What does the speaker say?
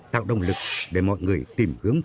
tạo động lực để mọi người tìm hướng